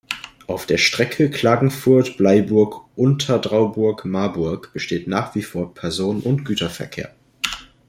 Auf der Strecke Klagenfurt–Bleiburg–Unterdrauburg–Marburg besteht nach wie vor Personen- und Güterverkehr.